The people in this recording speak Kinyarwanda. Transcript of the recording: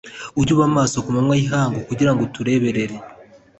Ujye uba maso ku manywa y’ihangu kugira ngo utureberere